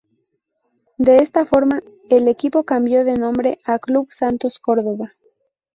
De esta forma, el equipo cambió de nombre a "Club Santos Córdoba".